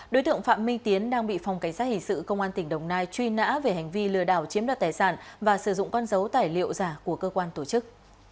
đối tượng phạm minh tiến đang bị phòng cảnh sát hình sự công an tỉnh đồng nai truy nã về hành vi lừa đảo chiếm đoạt tài sản và sử dụng con dấu tài liệu giả của cơ quan tổ chức